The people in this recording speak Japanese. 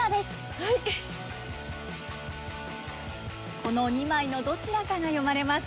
この２枚のどちらかが読まれます。